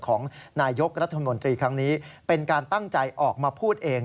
ของนายกรัฐมนตรีครั้งนี้เป็นการตั้งใจออกมาพูดเอง